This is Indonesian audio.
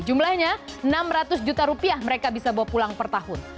jumlahnya enam ratus juta rupiah mereka bisa bawa pulang per tahun